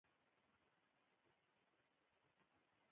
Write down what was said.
دا فارمول موږ ته څه راښيي.